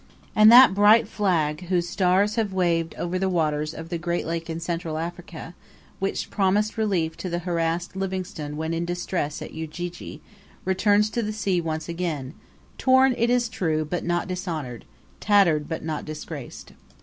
And that bright flag, whose stars have waved over the waters of the great lake in Central Africa, which promised relief to the harassed Livingstone when in distress at Ujiji, returns to the sea once again torn, it is true, but not dishonoured tattered, but not disgraced.